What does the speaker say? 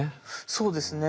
そうですね。